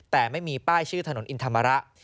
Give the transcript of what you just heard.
แต่ไม่มีป้ายชื่อถนนอินธรรมระ